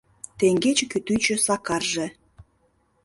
Теҥгече кӱтӱчӧ Сакарже